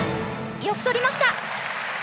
よく取りました。